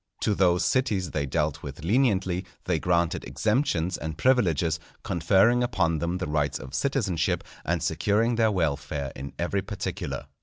To those cities they dealt with leniently, they granted exemptions and privileges, conferring upon them the rights of citizenship, and securing their welfare in every particular.